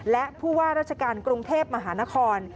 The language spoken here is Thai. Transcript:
และผู้ว่าราชการกรุงเทพมหานคร